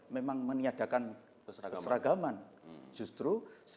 memang meniadakan keseragaman justru